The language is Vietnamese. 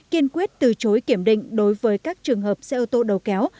kiên quyết từ chối kiểm định đối với các trường hợp xe ô tô đầu kéo